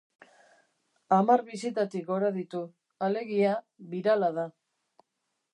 Hamar bisitatik gora ditu, alegia, birala da.